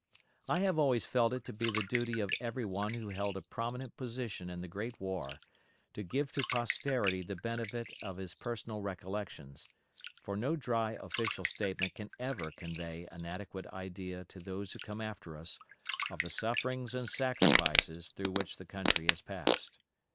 I have always felt it to be the duty of every one who held a prominent position in the great war to give to posterity the benefit of his personal recollections; for no dry official statement can ever convey an adequate idea to those who come after us of the sufferings and sacrifices through which the country has passed.